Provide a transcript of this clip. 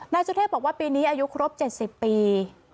นายสุเทพบอกว่าปีนี้อายุครบ๗๐ปี